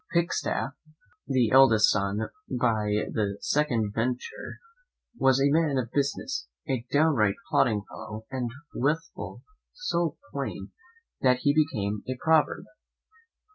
Pikestaff, the eldest son by the second venter, was a man of business, a downright plodding fellow, and withal so plain, that he became a proverb.